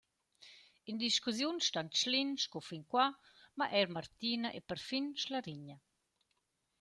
In discussiun stan Tschlin sco fin qua, ma eir Martina e perfin Schlarigna.